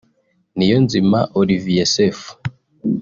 Niyonzima Olivier Seff